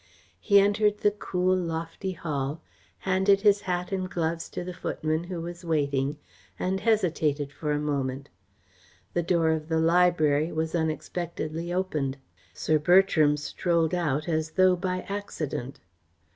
He entered the cool, lofty hall, handed his hat and gloves to the footman who was waiting, and hesitated for a moment. The door of the library was unexpectedly opened. Sir Bertram strolled out as though by accident.